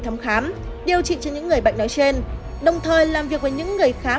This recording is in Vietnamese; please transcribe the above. thăm khám điều trị cho những người bệnh nói trên đồng thời làm việc với những người khám